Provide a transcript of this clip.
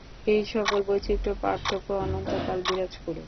এই-সকল বৈচিত্র্য পার্থক্য অনন্তকাল বিরাজ করুক।